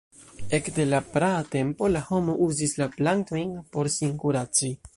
Ekde la praa tempo la homo uzis la plantojn por sin kuraci.